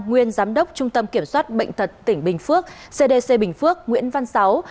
nguyên giám đốc trung tâm kiểm soát bệnh tật tỉnh bình phước cdc bình phước nguyễn văn sáu